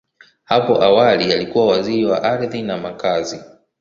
Hapo awali, alikuwa Waziri wa Ardhi na Makazi.